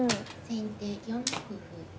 先手４六歩。